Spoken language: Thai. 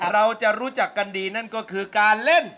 เราจะรู้จักกันดีนั่นก็คือการเล่น